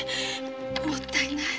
もったいない。